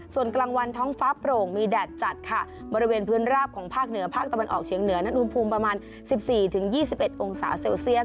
ส่วนกลางวันท้องฟ้าโปร่งมีแดดจัดค่ะบริเวณพื้นราบของภาคเหนือภาคตะวันออกเฉียงเหนือนั้นอุณหภูมิประมาณ๑๔๒๑องศาเซลเซียส